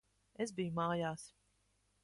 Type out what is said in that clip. Es biju mājās.